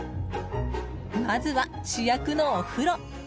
まずは主役のお風呂。